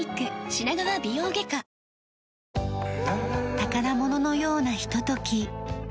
宝物のようなひととき。